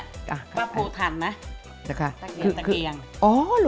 ป้าภูทันนะเลยค่ะอ๋อเหรอ